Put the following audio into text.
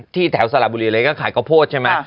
ที่แถวสระบุรีซ์ไรก็จะขายกะพดใช่ไหม